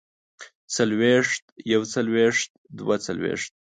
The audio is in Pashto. څلوېښت يوڅلوېښت دوه څلوېښت